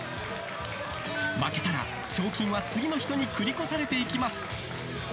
負けたら賞金は次の人に繰り越されていきます。